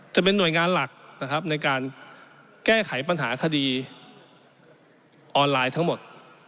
จะเป็นหน่วยงานหลักนะครับในการแก้ไขปัญหาคดีออนไลน์ทั้งหมด